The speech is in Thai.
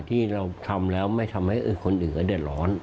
ที่เราทำแล้วไม่ทำให้คนอื่นเขาเดือดร้อน